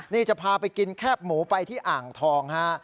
นี่จะพาไปกินแคบหมูไปที่อ่างทองฮะ